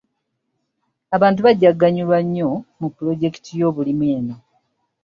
Abantu bajja kuganyulwa nnyo mu pulojekiti y'ebyobulimi eno.